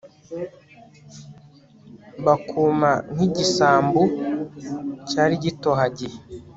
bakuma nk'igisambu cyari gitohagiye